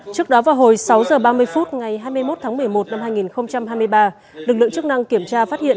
trước đó vào hồi sáu h ba mươi phút ngày hai mươi một tháng một mươi một năm hai nghìn hai mươi ba lực lượng chức năng kiểm tra phát hiện